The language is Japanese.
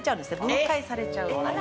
分解されちゃう。